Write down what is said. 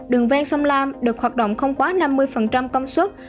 đường ven sông lam được hoạt động không quá năm mươi công suất